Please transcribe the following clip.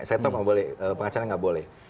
saya tahu kalau boleh pengacaranya tidak boleh